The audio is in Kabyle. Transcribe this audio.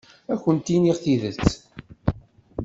Ad akent-iniɣ tidet.